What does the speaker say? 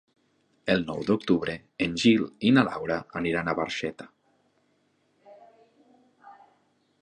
El nou d'octubre en Gil i na Laura aniran a Barxeta.